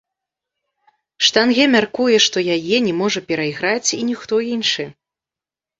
Штанге мяркуе, што яе не можа перайграць і ніхто іншы.